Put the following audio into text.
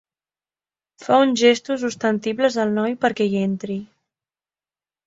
Fa uns gestos ostensibles al noi perquè hi entri.